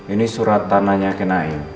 ini surat tanahnya kakek naim